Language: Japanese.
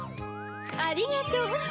ありがとう！